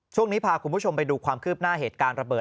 ช่วงนี้พาคุณผู้ชมไปดูความคืบหน้าเหตุการณ์ระเบิด